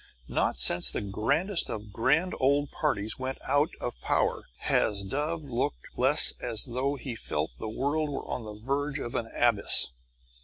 Not since the grandest of Grand Old Parties went out of power has Dove looked less as though he felt the world were on the verge of an abyss.